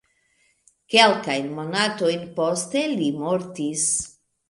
Kelkajn monatojn poste li mortis.